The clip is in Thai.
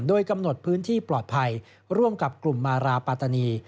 โดยกำหนดพื้นที่ปลอดภัยร่วมกับกลุ่มมาราปาตานี